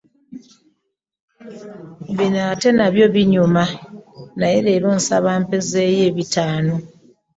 Bino ate nabyo binyuma naye leero nsaba mpezeeyo ebitano .